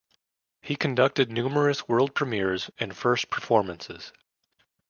He conducted numerous world premieres and first performances.